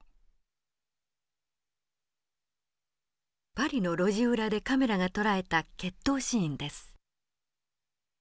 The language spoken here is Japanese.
パリの路地裏でカメラがとらえた決闘シーンです。